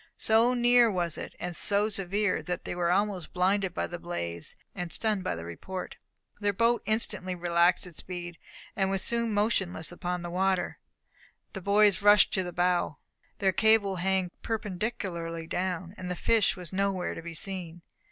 So near was it, and so severe, that they were almost blinded by the blaze, and stunned by the report. Their boat instantly relaxed its speed, and was soon motionless upon the water. The boys rushed to the bow. Their cable hung perpendicularly down, and the fish was nowhere to be seen.